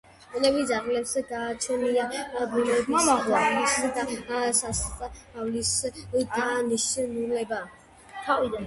ბუნების ძეგლს გააჩნია ბუნებისდაცვითი და სასწავლო დანიშნულება.